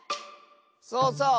そうそう。